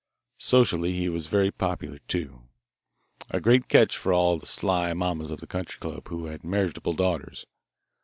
Socially he was very popular, too, a great catch for all the sly mamas of the country club who had marriageable daughters.